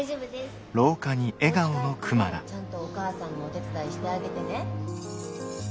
おうち帰ってもちゃんとお母さんのお手伝いしてあげてね。